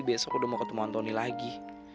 besok udah mau ketemu antoni lagi